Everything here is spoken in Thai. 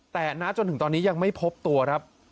แต่ณจนถึงตอนนี้ยังไม่พบตัวครับ